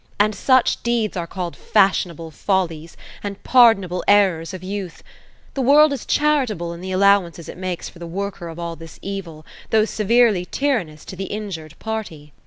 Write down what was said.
^ And such deeds are called fashionable follies, and pardonable errors of youth ! The world is charitable in the allow ances it makes for the worker of all this evil, though severely tyrannous to the injured party.